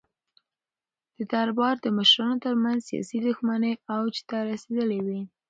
د دربار د مشرانو ترمنځ سیاسي دښمنۍ اوج ته رسېدلې وې.